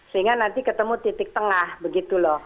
sehingga nanti ketemu titik tengah begitu loh